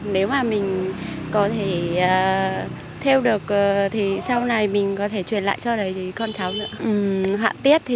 nếu mà mình có thể theo được thì sau này mình có thể truyền lại cho con cháu nữa